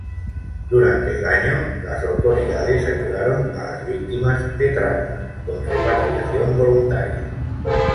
Durante el año, las autoridades ayudaron a las víctimas de trata con repatriación voluntaria.